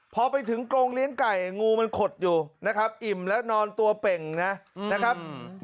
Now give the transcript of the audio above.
พอไปถึงกรงเลี้ยงไก่งูมันขดอยู่นะครับอิ่มแล้วนอนตัวเป่งนะครับ